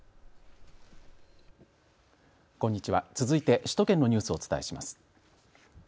続いて首都圏のニュースをお伝えします。